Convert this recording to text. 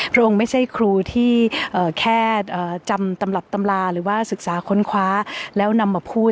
พระองค์ไม่ใช่ครูที่แค่จำตำรับตำราหรือว่าศึกษาค้นคว้าแล้วนำมาพูด